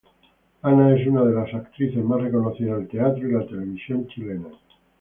Ana es una de las actrices más reconocidas del teatro y la televisión chilena.